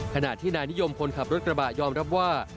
ขณะที่นายนิยมคนขับรถกระบะยอมรับว่า